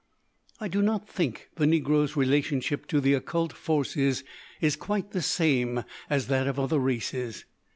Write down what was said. I do not think the negro's relationship to the Occult Forces is quite the same as that of other races.